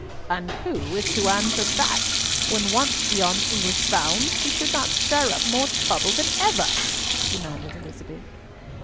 "And who is to answer that, when once beyond English bounds, she should not stir up more trouble than ever?" demanded Elizabeth.